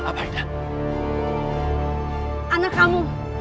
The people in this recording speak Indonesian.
sampai dari sekarang